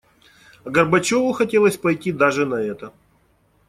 А Горбачёву хотелось пойти даже на это.